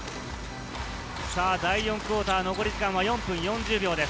第４クオーター、残り時間は４分４０秒です。